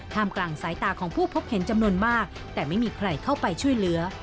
กลางสายตาของผู้พบเห็นจำนวนมากแต่ไม่มีใครเข้าไปช่วยเหลือ